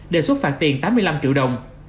đề xuất phạt tiền tám mươi năm triệu đồng